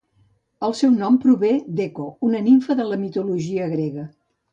El seu nom prové d'Eco, una nimfa de la mitologia grega.